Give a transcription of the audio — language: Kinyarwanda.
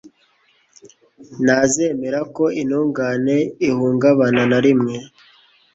ntazemera ko intungane ihungabana na rimwe